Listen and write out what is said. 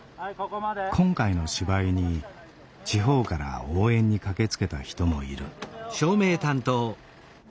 今回の芝居に地方から応援に駆けつけた人もいる。